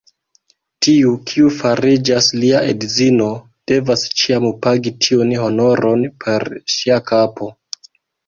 Tiu, kiu fariĝas lia edzino, devas ĉiam pagi tiun honoron per ŝia kapo.